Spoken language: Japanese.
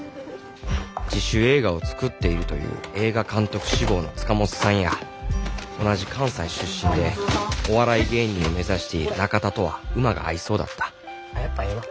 自主映画を作っているという映画監督志望の塚本さんや同じ関西出身でお笑い芸人を目指している中田とは馬が合いそうだったあっやっぱええわ。